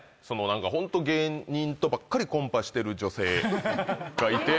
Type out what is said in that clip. ホント芸人とばっかりコンパしてる女性がいて。